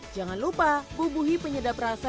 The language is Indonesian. jangan lupa bubuhi penyedap rasa